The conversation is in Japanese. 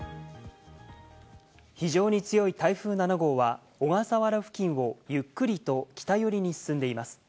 非常に強い台風７号は、小笠原付近をゆっくりと北寄りに進んでいます。